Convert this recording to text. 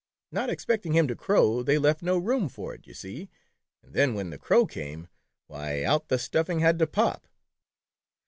Not expecting him to crow, they left no room for it, you see, and then when the crow came, why out the stuffing had to pop